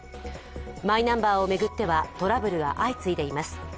マイナンバーを巡ってはトラブルが相次いでいます。